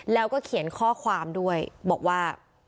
แล้วก็เขียนข้อความด้วยบอกว่า